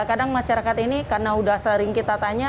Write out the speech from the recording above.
kadang masyarakat ini karena udah sering kita tanya